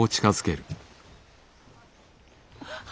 あ！